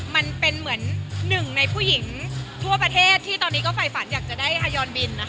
มันเป็นเหมือนหนึ่งในผู้หญิงทั่วประเทศที่ตอนนี้ก็ฝ่ายฝันอยากจะได้ฮายอนบินนะคะ